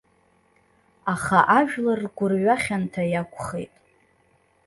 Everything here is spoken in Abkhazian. Аха ажәлар ргәырҩа хьанҭа иакәхеит.